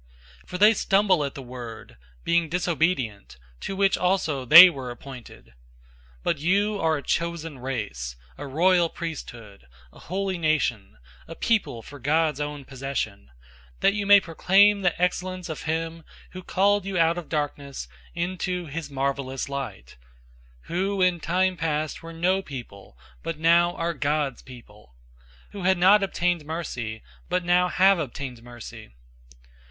"{Isaiah 8:14} For they stumble at the word, being disobedient, to which also they were appointed. 002:009 But you are a chosen race, a royal priesthood, a holy nation, a people for God's own possession, that you may proclaim the excellence of him who called you out of darkness into his marvelous light: 002:010 who in time past were no people, but now are God's people, who had not obtained mercy, but now have obtained mercy.